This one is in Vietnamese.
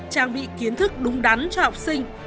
trang bị kiến thức đúng đắn cho học sinh